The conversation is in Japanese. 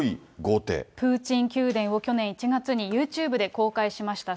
プーチン宮殿を去年１月に、ユーチューブで公開しました。